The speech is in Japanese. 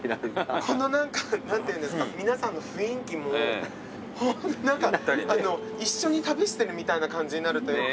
この何ていうんですか皆さんの雰囲気も何かあの一緒に旅してるみたいな感じになるというか。